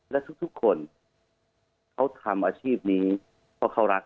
และทุกคนเขาทำอาชีพนี้เพราะเขารัก